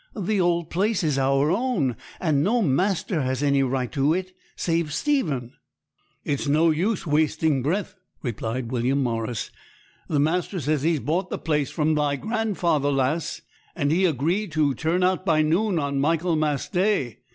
'The old place is our own, and no master has any right to it, save Stephen.' 'It's no use wasting breath,' replied William Morris. 'The master says he's bought the place from thy grandfather, lass; and he agreed to turn out by noon on Michaelmas Day.